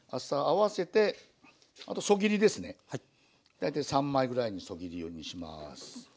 大体３枚ぐらいにそぎるようにします。